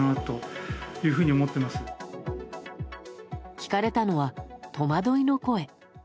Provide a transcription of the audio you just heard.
聞かれたのは戸惑いの声。